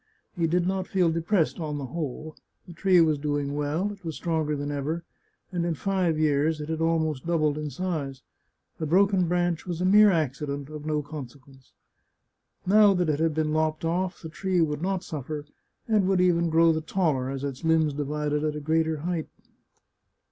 He did not feel depressed on the whole ; the tree was doing well, it was stronger than ever, and in five years it had almost doubled in size. The broken branch was a mere accident, of no consequence. Now that it had been lopped oflF, the tree would not suffer, and would even grow the taller, as its limbs divided at a greater height.